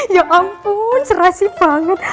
ya ampun serasi banget